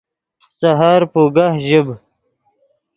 سحر پوگہ ژیب